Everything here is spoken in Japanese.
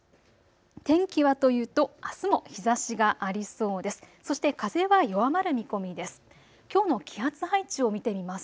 天気はというと、あすも日ざしがありそうです。